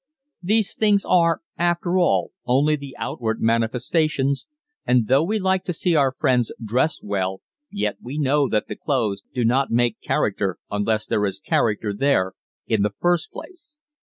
These things are after all only the outward manifestations and though we like to see our friends dressed well yet we know that the clothes do not make character unless there is character there in the first place.